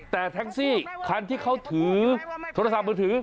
แต่แท็กซี่คันที่เขาถือโทรศัพท์มือถือ